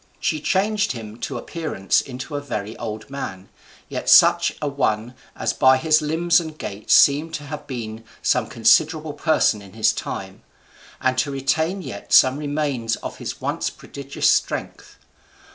She changed him to appearance into a very old man, yet such a one as by his limbs and gait seemed to have been some considerable person in his time, and to retain yet some remains of his once prodigious strength.